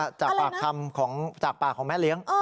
โอ้โฮจากปากขำของแม่เลี้ยง